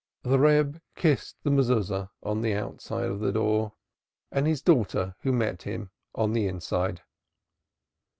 The Reb kissed the Mezuzah on the outside of the door and his daughter, who met him, on the inside.